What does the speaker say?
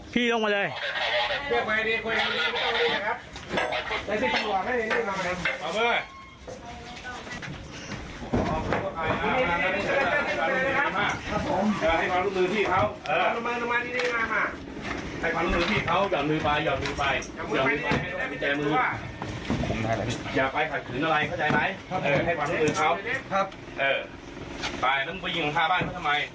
ให้ความร่วมมือเขาครับเออไปแล้วมึงไปยิงของผ้าบ้านเขาทำไม